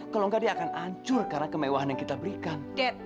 kalau enggak dia akan hancur karena kemewahan yang kita berikan